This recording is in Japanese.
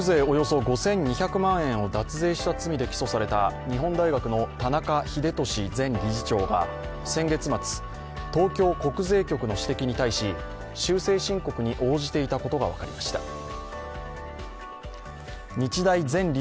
およそ５２００万円を脱税した罪で起訴された日本大学の田中英寿前理事長が先月末、東京国税局の指摘に対し、修正申告に応じていたことが分かりました。